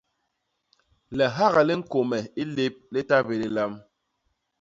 Lihak li ñkôme i lép li ta bé lilam.